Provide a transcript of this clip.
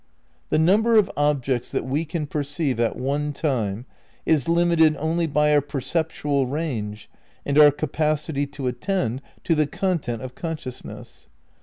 The number of objects that we can perceive at one time is limited only by our perceptual range and our capacity to attend to the content of consciousness.